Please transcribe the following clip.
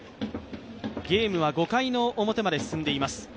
ゲームは５回の表まで進んでいます。